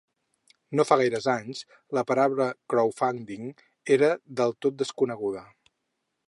No fa gaires anys la paraula ‘crowdfunding’ era del tot desconeguda.